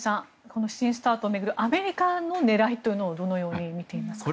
この新ＳＴＡＲＴを巡るアメリカの狙いというのをどのように見ていますか？